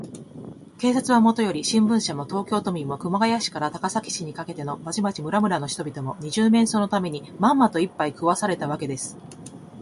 警察はもとより、新聞社も、東京都民も、熊谷市から高崎市にかけての町々村々の人々も、二十面相のために、まんまと、いっぱい食わされたわけです。